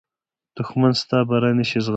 دښمن ستا بری نه شي زغملی